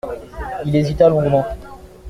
Il hésita longuement.